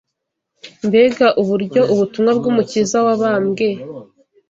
mbega uburyo ubutumwa bw’Umukiza wabambwe,